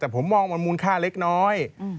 แต่ผมมองมันมูลค่าเล็กน้อย